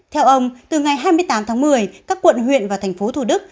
theo ông từ ngày hai mươi tám tháng một mươi các quận huyện và thành phố thủ đức